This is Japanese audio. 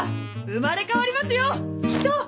生まれ変わりますよきっと！